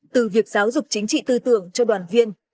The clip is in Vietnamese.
từ việc giáo dục chính trị tư tưởng cho đoàn viên